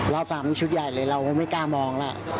รอบ๓ชุดใหญ่เลยเราก็ไม่กล้ามองแล้ว